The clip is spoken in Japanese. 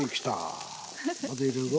ここで入れるぞ。